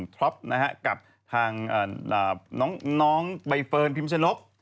ทางน้องใบเฟิร์นพิมพ์ชะลก